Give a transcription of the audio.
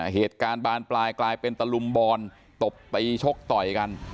เหตุการณ์บานปลายกลายเป็นตะลุมบอลตบตีชกต่อยกัน